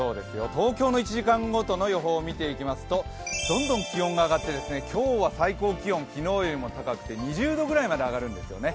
東京の１時間ごとの予報を見ていきますとどんどん気温が上がって今日は最高気温昨日よりも高くて２０度ぐらいまで上がるんですよね。